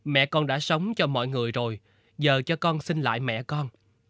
mẹ con đã sống cho mọi người rồi giờ cho con sinh lại mẹ con